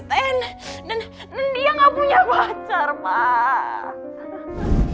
dan dia gak punya pacar pak